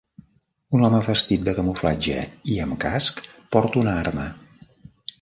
Un home vestit de camuflatge i amb casc porta una arma.